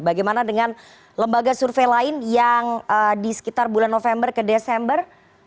bagaimana dengan lembaga survei lain yang di sekitar bulan november ke desember